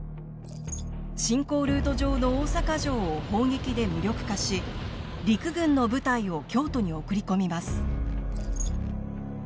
侵攻ルート上の大坂城を砲撃で無力化し陸軍の部隊を京都に送り込みます。